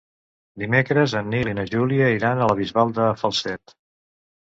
Dimecres en Nil i na Júlia iran a la Bisbal de Falset.